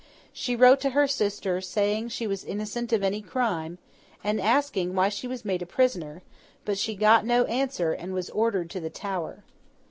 She wrote to her sister, saying she was innocent of any crime, and asking why she was made a prisoner; but she got no answer, and was ordered to the Tower.